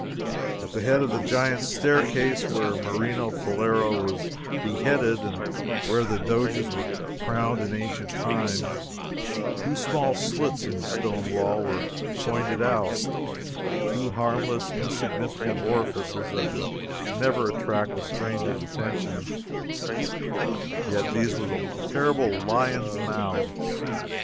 At the head of the Giant's Staircase, where Marino Faliero was beheaded, and where the Doges were crowned in ancient times, two small slits in the stone wall were pointed out two harmless, insignificant orifices that would never attract a stranger's attention yet these were the terrible Lions' Mouths!